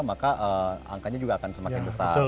maka angkanya juga akan semakin besar